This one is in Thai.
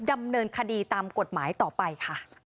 ดำเนินคดีตามกฎหมายต่อไปค่ะ